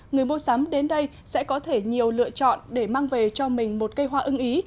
người mua sắm đến đây sẽ có thể nhiều lựa chọn để mang về cho mình một cây hoa ưng ý